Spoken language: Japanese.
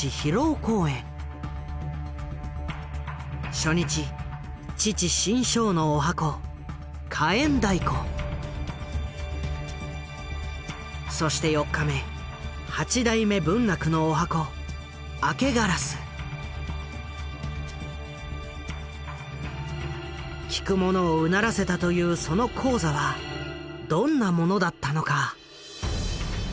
初日父志ん生の十八番そして４日目８代目文楽の十八番聞く者をうならせたというその高座はどんなものだったのか？